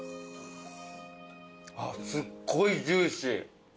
すっごいジューシー。